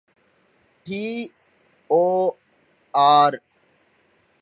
ޓީ.އޯ.އާރް.